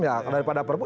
ya daripada perpuk